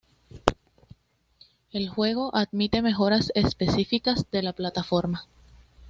El juego admite mejoras específicas de la plataforma.